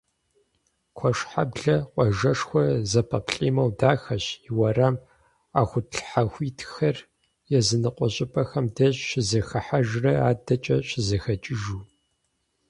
Куэшхьэблэ къуажэшхуэр зэпэплIимэу дахэщ, и уэрам Iэхуитлъэхуитхэр языныкъуэ щIыпIэхэм деж щызэхыхьэжрэ адэкIэ щызэхэкIыжу.